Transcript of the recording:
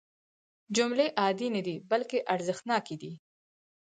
جملې عادي نه دي بلکې ارزښتناکې دي.